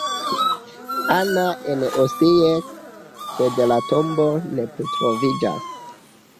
Ana" en Osijek, sed la tombo ne plu troviĝas.